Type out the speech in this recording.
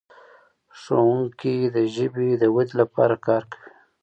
ښوونکي د ژبې د ودې لپاره کار کوي.